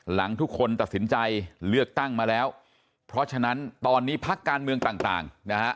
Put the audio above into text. หลังทุกคนตัดสินใจเลือกตั้งมาแล้วเพราะฉะนั้นตอนนี้พักการเมืองต่างนะฮะ